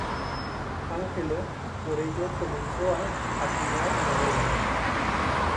Angelo por ello comenzó a acuñar moneda.